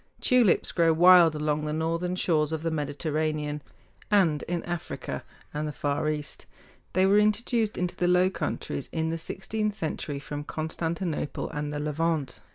Tulips grow wild along the northern shores of the Mediterranean, and in Africa and the Far East. They were introduced into the Low Countries in the sixteenth century from Constantinople and the Levant.